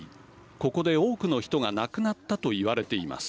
ここで多くの人が亡くなったといわれています。